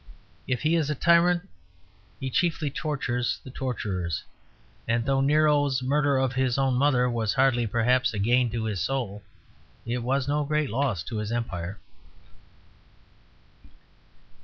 If he is a tyrant he chiefly tortures the torturers; and though Nero's murder of his own mother was hardly perhaps a gain to his soul, it was no great loss to his empire.